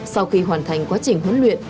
sau khi hoàn thành quá trình huấn luyện